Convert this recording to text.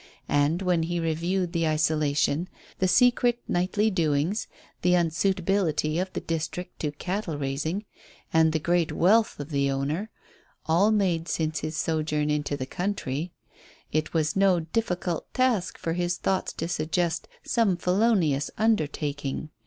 And, when he reviewed the isolation, the secret nightly doings, the unsuitability of the district to cattle raising, and the great wealth of the owner, all made since his sojourn in the country, it was no difficult task for his thoughts to suggest some felonious undertaking.